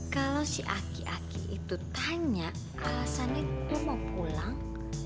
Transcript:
kalau si aki aki itu tanya alasan itu mau pulang